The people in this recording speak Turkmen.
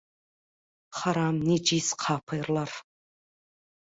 Haram nejis kapyrlar...